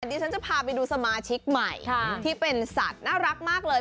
ดิฉันจะพาไปดูสมาชิกใหม่ที่เป็นสัตว์น่ารักมากเลย